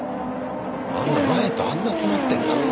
あんな前とあんな詰まってんだ。